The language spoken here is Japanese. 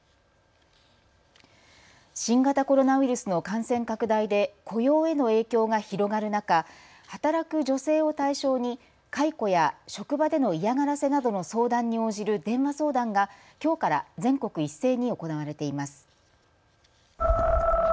新型コロナウイルスの感染拡大で雇用への影響が広がる中、働く女性を対象に解雇や職場での嫌がらせなどの相談に応じる電話相談がきょうから全国一斉に行われています。